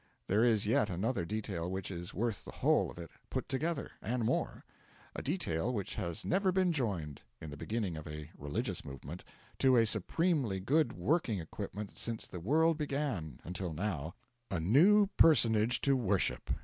There is yet another detail which is worth the whole of it put together and more; a detail which has never been joined (in the beginning of a religious movement) to a supremely good working equipment since the world began, until now: a new personage to worship.